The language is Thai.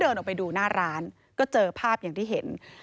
เนี่ยค่ะแล้วก็มีผู้ที่เห็นเหตุการณ์เขาก็เล่าให้ฟังเหมือนกันนะครับ